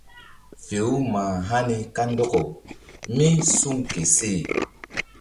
Fe-u mah hani kandɔkaw mí suŋ ke seh.